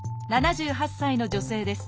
７８歳の女性です。